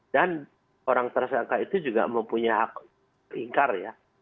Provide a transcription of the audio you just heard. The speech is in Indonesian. dan orang tersangka itu juga mempunyai hak ingkar ya